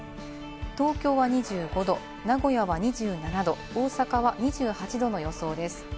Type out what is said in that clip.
東京は２５度、名古屋は２７度、大阪は２８度の予想です。